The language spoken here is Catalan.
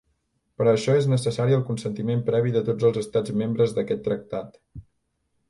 Per a això és necessari el consentiment previ de tots els estats membres d'aquest tractat.